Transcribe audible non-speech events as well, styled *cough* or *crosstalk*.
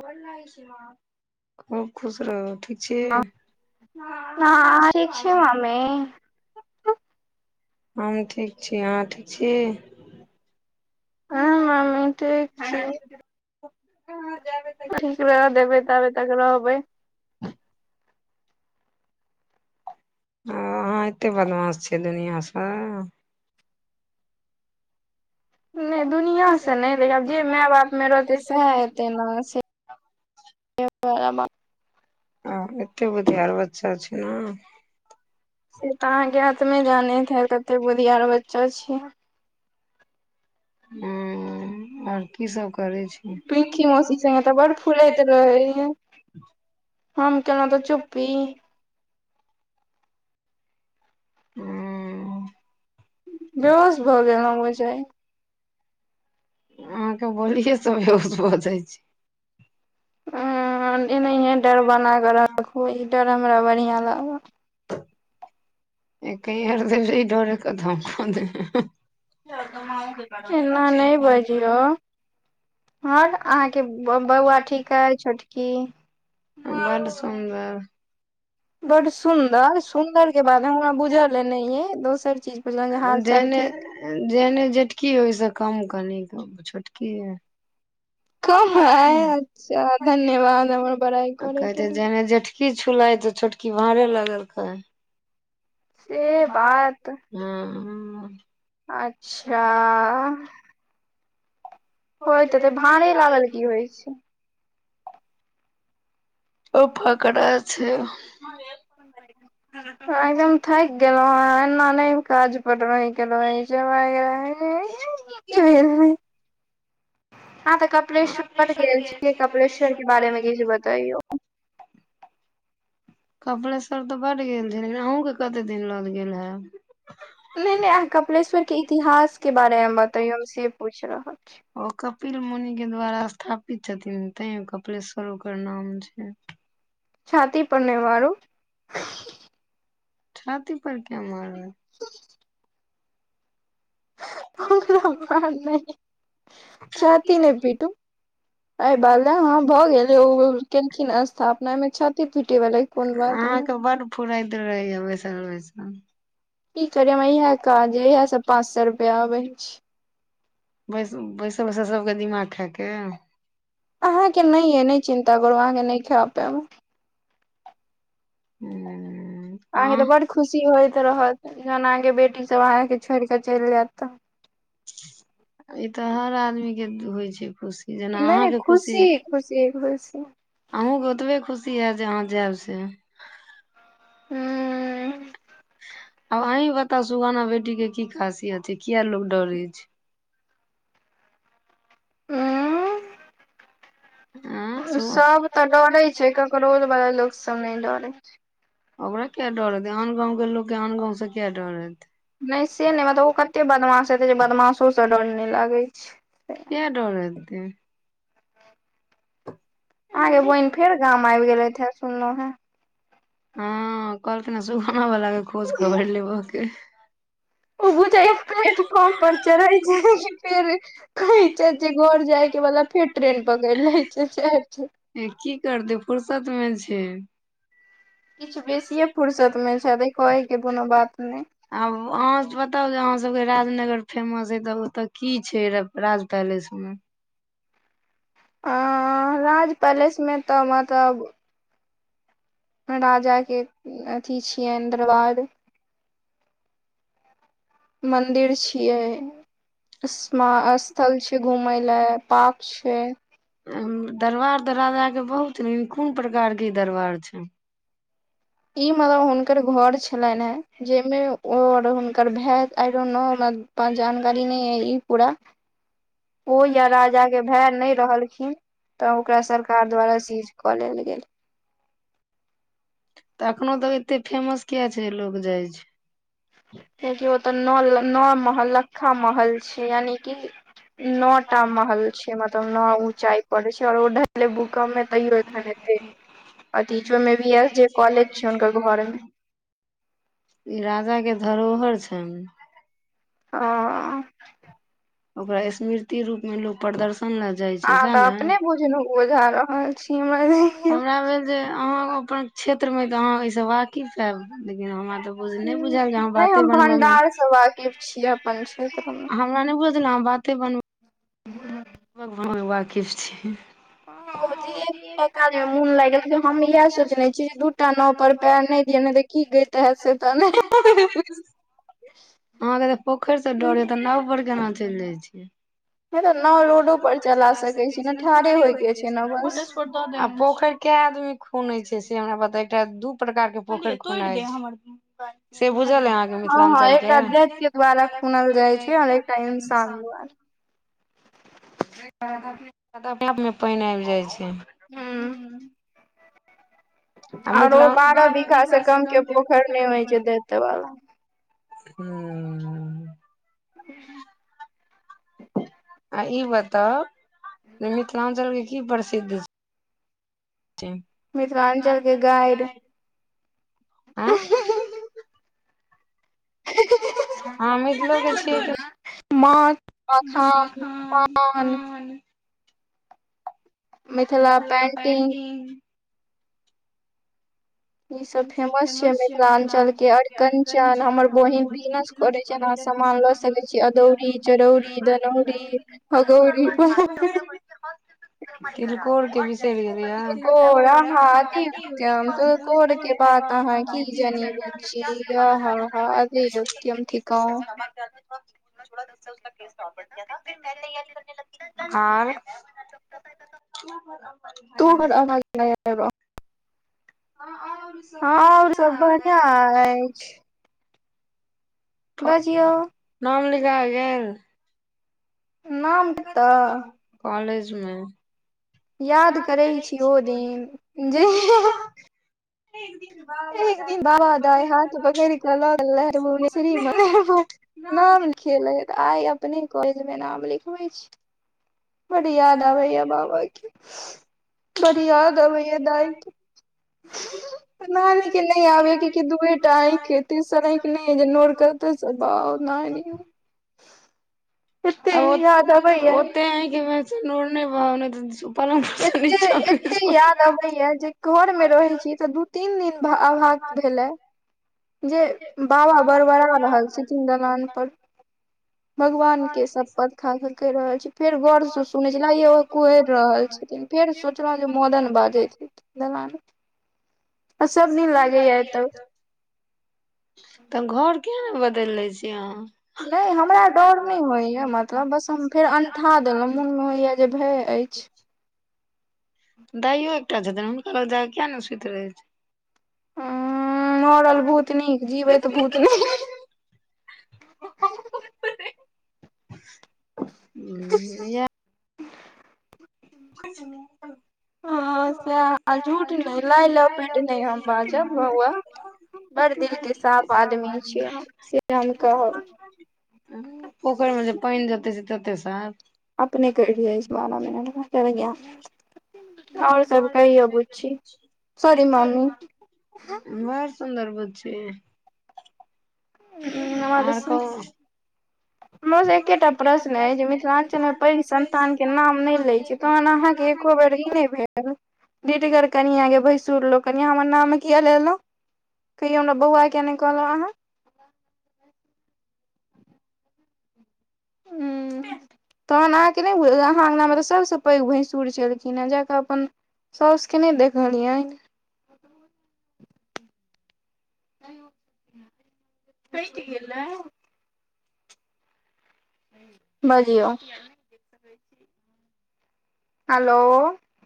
गोर लगै छी मां, खुब खुश रहु ठीक छी। हँ, अहां ठीक छी मम्मी। हम ठीक छी, अहाँ ठीक छी? हं मम्मी ठीक छी, ठीक रहऽ देबै तब तक रहबै। अहाँ एते बदमास छियै दुनिया से। नहि दुनिआँ से नहि, लेकिन आब जे माय बापमे रहतै सएह हेतै। तना *inaudible* अहां एते बुधियार बच्चा छलौं। से तऽ अहाँके आत्मे जानैत हैत कतेक बुधियार बच्चा छी हम। हुं और की सब करे छी। पिंकी मौसी से अहाँतऽ बड़ फुलैत रहैये। हम केलौ़ं तऽ चुप्पी? हूँ। दस बजैले होइ छै। अहाँके बोलिये स बेहोश भ जाइ छी। अहाँ न एनहिएं डर बना कऽ राखू, ई डर हमरा बढ़ियाँ लागत। एकहि हरदिन ई डरे क धमकने, हँह। जाक माँओ के क एना नै बजियो। आर अहाँके ब-बौआ ठीक ऐ छोटकी? बड सुन्दर। बड सुन्दर, उम्र सुन्दर के बाद बा हमरा *inaudible* पूजा बुझल ए दीदी नहिये से, दोसर चीज बुझलहु जे हाल चाल देने ठीक जेहने जेटकी ओइ सँ कम कनी अ छोटकी अइ। कम ह, अच्छा धन्यवाद हमर बड़ाइ करैके लेल। की छुलाइ तऽ छोटकी भाँड़े लागल खै। से बात हँ। अच्छा होइत एतै, भाँड़े लागल की होइ छै? ओ फकड़ा छै। माँ गेल? नै। हँ एकदम थैक केलौंहें, एन्ना नै काज पर रहै के रहै छै, *inaudible* की भेलै? कू अआँ तऽ कपिलेश्वर बड गेल छियै कपिलेश्वर के बारे में किछु बतइयौ। कपलेश्वर तऽ बड गेल छि लेकिन अहूँ के कतेक दिन ल के गेल हेब। नै-नै अहा कपलेश्वर के इतिहास के बारे म बतैयौ से पूइछ रहल छी। ओ कपिल मुनि के द्वारा स्थापित छथिन, तैं ओ कपिलेश्वर ओकर नाम छैन। छाती। नै मारु, फ छाती पर किये मारल? *unintelligible* ओकरा मार नहिं, छाती नै पीटू। ऐ बाले हँ भऽ गेलै ओ ब-केलखिन अस्थापना अइमें छाति पीटै बलै कोन बात रहे? फुरैत रहैये वैसल-वैसल। की करिए हमरा इहे काज ए इहे से पाँच से रुपया अबै हेछि। बैस-बैसल-बैसल सबके दिमाग खैके? अहाँ के नै ऐ, नै चिन्ता करू अहाँ के नहि खेब पेब। हूँ। अहाँके तऽ बड खुशी होइत रहत, जहन अहाँके बेटी सब अहाँके छोइड़ क चैल जेत तऽ। ई तऽ हर आदमी के दु-होइ छै खुश। नै खुशी-खुसी एक बेर स। अहूँके ओतबे खुशी हैत जे अहाँ जेब से। हूँ। आव अहीं बताउ सुगौना बेटी के की खासियत छै, किये लोग डरै छै? हूँ आँ और सो सब तऽ डरै छै, ककरौल बला लोक सब नैल् डरै छ। हमरा किये डर हेतै, आन गाँवके लोकके आन गाँंव से किये डर हेत? नहि से नहि मतलब ओ कतै बदमाश हेतै जे बदमासो सऽ डर नहि लागै छै। किया डर हेते। आहँके बोहिन फेर गाम आबि गेलेथि हे सुनंलौ हें। हँ कहलखि हे सुगोना बला के खोज हें खबैर लेबऽ के अए। ओ बुझैया प्लेटफॉम पर चरहैय छै कि फेर। कहै छथि जे घर जाय के बदला फेर ट्रेन पकड़ि लै छै सेहे छै। ई की करतै फुरसत मे छै। किछ बेसीए फुरसत में छैथ। कहै के कोनो बात नहि। आब अहाँ बताउ जे अहाँसबके राजनगर फेमस अइ तऽ ओतय की छै राज पैलेस मे। अ राज पैलेसमे तऽ मतलब। राजाके अथि छियनि दरबार। मन्दिर छियै। स्मा स्थल छै घूमे लै पार्क छै। दरबार तऽ राजाके बहुत नीक कोन प्रकारके ई दरबार छैन। ई मतलब हुनकर घर छलनि हे। जाहिमे ओ और हुनकर भेए आइ डोंट नो हमरा पास जानकारी नहि अइ ई पूरा। ओ या राजा के भैए नहि रहलखिन तऽ ओकरा सरकार द्वारा सीज। कऽ लेल गेल। तऽ एखनो धरि एते फेमस किये छैय। जे लोक जाइ छै। कियाकि ओतऽ नऽ लऽ नौ महलख्खा महल छै यानि कि। नऽ टा महल छै मतलब नऽ ऊँचाइ पड़ छै आर ओ। ढ भूकम्प में तैयो एखन ऐते अथि छै ओहिमे भी एस जे कॉलेज छै हुनकर घर मे। ई राजा के धरोहर छैन। हँ ओकरा स्मृति रूप में लोक प्रदर्शन ला अहाँ तऽ अपने बुझनुक बुझा रहल छी *unintelligible* हमरा भेल जे अहाँ अपन क्षेत्रमे तऽ अहाँ ओहिसँ वाकिफ हेब लेकिन हमरा तऽ। बुझ बुझायल जे अहाँ नहि बाते हम बनबयमे भंडार से वाकिफ छी अपन क्षेत्र मे। हमरा नय बुझल छले आहा बाते बन *unintelligible* वाकिफ छी ह धिया-पुता काज में मोन लागि गेलेकिन हम इहे सोचने छी दूटा नाव पर पैर नय दिय ने कि दैत हैत से तऽ *unintelligible* आहा के तऽ पोखईर के डर होय तऽ नाव पर केना चलि जाइ छीयै तऽ नाव रोडो ड़ोडे पर चला सकै सकय छी *unintelligible* ने ठाढ़े होय के छै ने बस कै आदमी खुनय छै से हमरा बता एकटा दू प्रकार के पोखरि खुनाई छै। से बुझल अइ अहाँके हँ हँ मिथिलाञ्चलके एकटा देत के द्वारा खुनल जाए छै और एकटा इन्सान द्वारा *unintelligible* तऽ अपने आप मे पइन आबि जाइ छै हूं आ और मिथिला में आर‌ ओ बारह बीघा से कम के पोखरि पोखर नहि होइ नय छै दैत बनबै वाला छलै हु आ ई बताउ जे मिथिलांचल के की प्रसिद्ध छैय मिथिलांचल के गाइर ऐऽ हु हू हँ मिथिलो के छीयै की। माँ। मखान पान। मिथिला पेन्टिंग। ई सब फेमस छै मिथिलांचल के अरिकंचन हमर बहिन बिजनस। *unintelligible* अदौरी चरौरी। दनौरी हगौरी तिलकोर के बिसर गेलिए तिलकोर आहा अति अदित्यम ऊतम। तिलकोर के बात अहाँ की जानी बुच्ची *unintelligible* आहा हा अदित्यम थिकाउ *unintelligible* *unintelligible* आर। *unintelligible* दू बेर आवाज नई आब रहल अइ। हा और। हँ और सब बढ़िआ अईछ। बजियो बजियौ नाम लिखा गेल। नाम हम कता कतऽ कॉलेज मे। याद करै छी ओ हो दिन जेहीया। एक दिन बाबा दाय हाथ पकेड़ क ल गेल भुबनेश्वरी मंदिर। नाम लिखेले ह आइ अपने कॉलज मे नाम लिखबै छी। बड़ी याद आबैया बाबा के बड़ी याद आबैया दाइ के। *inaudible* नानी के नय आबे के दुए टा आंख अइ तेसर आंखि नय ये जे नोर कतअ स बहाउ। कहियो। आ याद ओते अबैया ओते आँख मे से नोड़ नई बहाउ नई त सू। एत्ते एत्ते याद अबे या जे घर मे रहे छी तऽ दू तीन दिन अभास भेल ए। जे बाबा बड़ बड़ा रहल छथीन दलान पर। भगवान के सपथ खा क रहल छी फेर गर से सुनै छले लगे या ओ कुहरि रहल छथिन। फेर सोचलहु जे मदन बाजैत छै दलान पर। आ सब दिन लागैया एतऽ। तऽ घर किया नय बदैल लै छी अहाँ। नय हमरा डोर नय होइया मतलब बस हम फेर अन्ठा देलहुँं मोन मे होइया। जे भए अइछ। दाइयो एकटा छथिन हुनका लग जाइ किया ने सुति रहै छै। मरल भूत नीक जीवैत भूत नई नीक। या। *inaudible* किछ नहि। हँ सएह आ झूठ नहि लाय लपेट नहि हम बाजब बौआ। बड़ दिल के साफ आदमी छियै हम से हम कहब। पोखरि मे जे पानि जते छै तते साफ। अपने करि लै छै समानमे। आओर सब कहियो बुच्ची सॉरी मम्मी। बड़ सुन्दर बुच्ची आर तऽ कहु। हमर से एकेटा प्रश्न अय जे मिथिलांचल मे पैघ सन्तान के नाम नहि लै छै। तहन आहाँ के एको बेर ई नहिे भेल। हलो धिठ्गर कनिया यै भैंसुर लोकनिया हाँ हमर नाम किए लेलौं। कहियो हमरा बौआ केिया नै कहलौ अहाँ। हू। तखन अहाँके नहि बुझल अइ अहाँ अंगनामे त सभसँ पैघ भैंसुर छलखिन हेँ जा क अपन साउस के नै देखलियनि। कइट गेलौ। बजियौ। हलो।